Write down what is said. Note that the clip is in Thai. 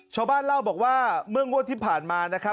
ชาวบ้านเล่าบอกว่าหมื่นงวดที่ผ่านมา